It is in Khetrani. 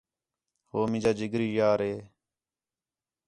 ہو مینجا جگری یار ہے